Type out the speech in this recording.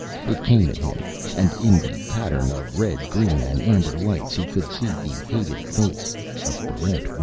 It came at him, and in the pattern of red, green, and amber lights he could see the hated face of Barrent 1.